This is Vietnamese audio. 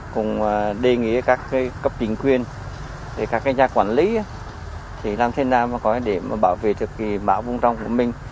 cùng đề nghị các cấp chính quyền các nhà quản lý làm thế nào để bảo vệ được mã vùng trồng của mình